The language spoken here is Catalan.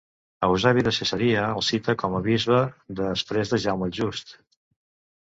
Eusebi de Cesarea el cita com a bisbe després de Jaume el Just.